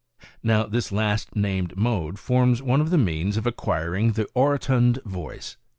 Now, this last named mode forms one of the means for acquiring the orotund voice.